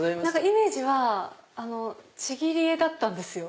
イメージはちぎり絵だったんですよ。